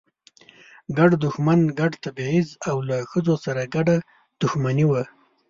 ګډ دښمن، ګډ تبعیض او له ښځو سره ګډه دښمني وه.